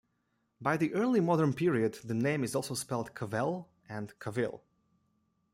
By the early modern period the name is also spelt Cavell and Cavill.